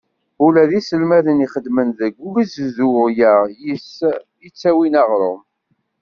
Ula d iselmaden ixeddmen deg ugezdu-a yis-s i d-ttawin aɣrum.